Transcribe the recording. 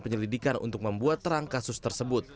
penyelidikan untuk membuat terang kasus tersebut